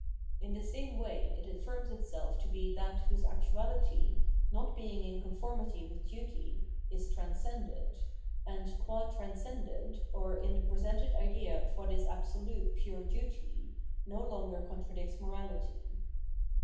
In the same way it affirms itself to be that whose actuality, not being in conformity with duty, is transcended, and, qua transcended, or in the presented idea of what is absolute [pure duty], no longer contradicts morality.